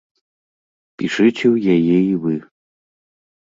Пішыце ў яе і вы.